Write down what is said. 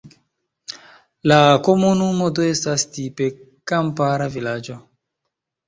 La komunumo do estas tipe kampara vilaĝo.